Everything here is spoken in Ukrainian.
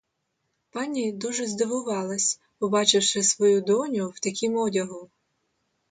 Пані дуже здивувалась, побачивши свою доню в такім одягу.